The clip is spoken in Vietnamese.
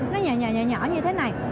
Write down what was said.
nó nhỏ nhỏ như thế này